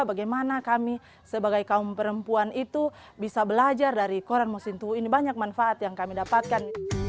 bagaimana kami sebagai kaum perempuan itu bisa belajar dari koran mosintowo ini banyak manfaat yang kami dapatkan